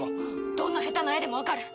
どんな下手な絵でもわかる！